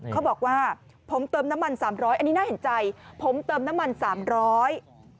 เขาบอกว่าผมเติมน้ำมันสามร้อยอันนี้น่าเห็นใจผมเติมน้ำมันสามร้อย